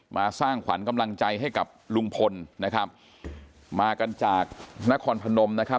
สร้างขวัญกำลังใจให้กับลุงพลนะครับมากันจากนครพนมนะครับ